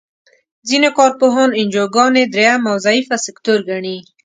ځینې کار پوهان انجوګانې دریم او ضعیفه سکتور ګڼي.